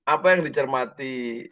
apa yang dicermati